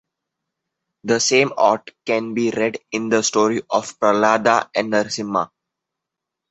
The same aught can be read in the story of Prahlada and Narasimha.